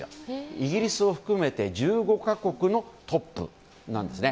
イギリスを含めて１５か国のトップなんですね。